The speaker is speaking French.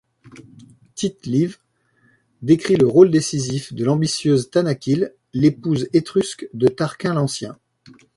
Tite-Live décrit le rôle décisif de l'ambitieuse Tanaquil, l'épouse étrusque de Tarquin l'Ancien.